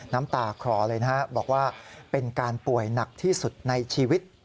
น้ำตาคลอเลยนะฮะบอกว่าเป็นการป่วยหนักที่สุดในชีวิต